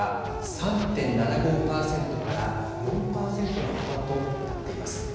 ３．７５％から４％の幅となっています。